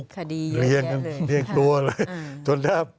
คดีเยอะแค่เลย